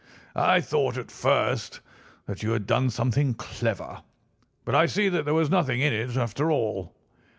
"I thought at first that you had done something clever, but I see that there was nothing in it after all."